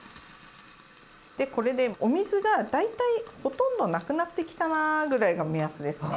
でこれでお水が大体ほとんどなくなってきたなぐらいが目安ですね。